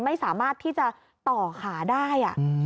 ไม่สามารถที่จะต่อขาได้